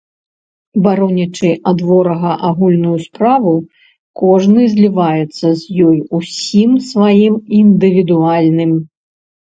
Баронячы ад ворага агульную справу, кожны зліваецца з ёю ўсім сваім індывідуальным.